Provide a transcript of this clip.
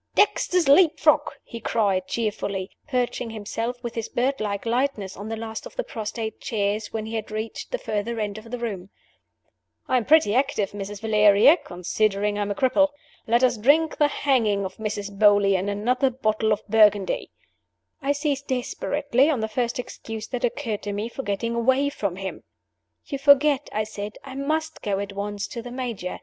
"Dexter's Leap frog!" he cried, cheerfully, perching himself with his birdlike lightness on the last of the prostrate chairs when he had reached the further end of the room. "I'm pretty active, Mrs. Valeria, considering I'm a cripple. Let us drink to the hanging of Mrs. Beauly in another bottle of Burgundy!" I seized desperately on the first excuse that occurred to me for getting away from him. "You forget," I said "I must go at once to the Major.